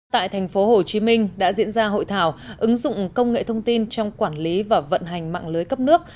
tại thành phố hồ chí minh đã diễn ra hội thảo ứng dụng công nghệ thông tin trong quản lý và vận hành mạng lưới cấp nước